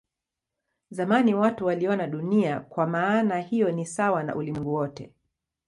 Zamani watu waliona Dunia kwa maana hiyo ni sawa na ulimwengu wote.